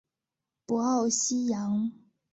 博奥西扬。